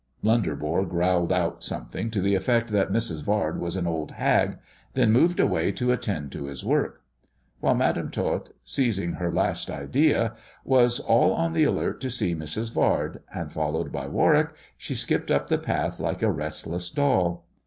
Blunderbore growled out something to the effect thi Mrs. Yard was an old hag, then moved away to attend i his work ; while Madam Tot, seizing her last idea, was a on the alert to see Mrs. Vard, and, followed by Warwick, si skipped up the path like a restless doll.